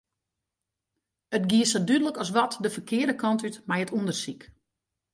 It giet sa dúdlik as wat de ferkearde kant út mei it ûndersyk.